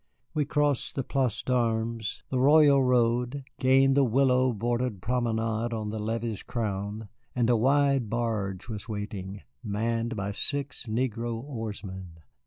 We crossed the Place d'Armes, the Royal Road, gained the willow bordered promenade on the levee's crown, and a wide barge was waiting, manned by six negro oarsmen.